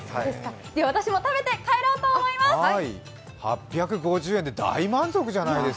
私も食べて帰ろうと思います。